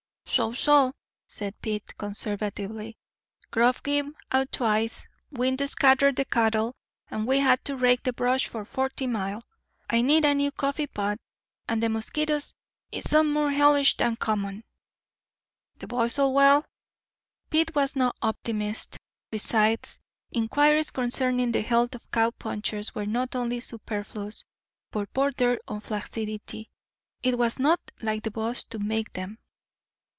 "So, so," said Pete, conservatively. "Grub give out twice. Wind scattered the cattle, and we've had to rake the brush for forty mile. I need a new coffee pot. And the mosquitos is some more hellish than common." "The boys—all well?" Pete was no optimist. Besides, inquiries concerning the health of cow punchers were not only superfluous, but bordered on flaccidity. It was not like the boss to make them.